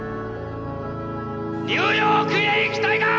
「ニューヨークへ行きたいか！」。